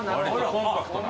コンパクトな。